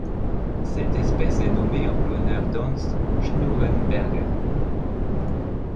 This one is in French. Cette espèce est nommée en l'honneur d'Hans Schnurrenberger.